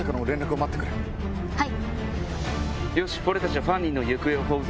はい。